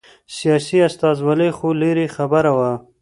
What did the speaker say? سیاسي استازولي خو لرې خبره وه.